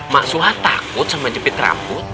mak suha takut sama jepit rambut